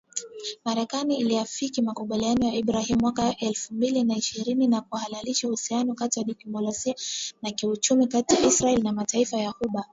Marekani iliafiki makubaliano ya Ibrahimu mwaka elfu mbili na Ishirini na kuhalalisha uhusiano wa kidiplomasia na kiuchumi kati ya Israel na mataifa ya Ghuba